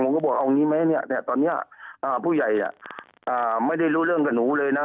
เขาบอกเอางี้ไหมเนี่ยตอนนี้ผู้ใหญ่ไม่ได้รู้เรื่องกับหนูเลยนะ